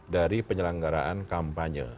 dari penyelenggaraan kampanye